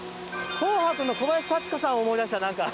「紅白」の小林幸子さん思い出した！